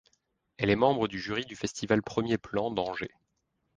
Elle est membre du jury du Festival Premiers Plans d'Angers.